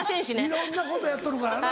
いろんなことやっとるからな。